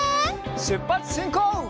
しゅっぱつしんこう！